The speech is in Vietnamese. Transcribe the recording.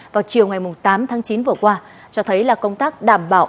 vào chiều ngày tám tháng chín vừa qua cho thấy là công tác đảm bảo